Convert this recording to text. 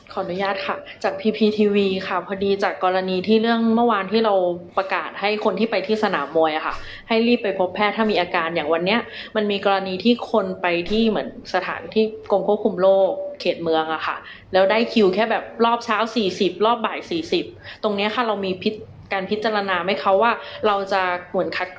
อนุญาตค่ะจากพีพีทีวีค่ะพอดีจากกรณีที่เรื่องเมื่อวานที่เราประกาศให้คนที่ไปที่สนามมวยอะค่ะให้รีบไปพบแพทย์ถ้ามีอาการอย่างวันนี้มันมีกรณีที่คนไปที่เหมือนสถานที่กรมควบคุมโรคเขตเมืองอะค่ะแล้วได้คิวแค่แบบรอบเช้า๔๐รอบบ่ายสี่สิบตรงเนี้ยค่ะเรามีการพิจารณาไหมคะว่าเราจะเหมือนคัดก